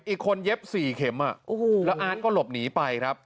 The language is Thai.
อีกคนเย็บ๔เข็มและอาร์ทก็หลบหนีไป